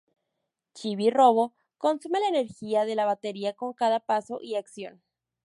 Chibi-Robo consume la energía de la batería con cada paso y acción.